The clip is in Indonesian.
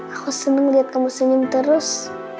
aku seneng liat kamu senyum terus